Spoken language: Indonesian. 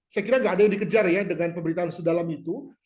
saya kira nggak ada yang dikejar ya dengan pemberitaan sedalam itu